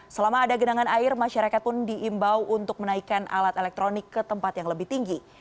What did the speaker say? selama ada genangan air masyarakat pun diimbau untuk menaikkan alat elektronik ke tempat yang lebih tinggi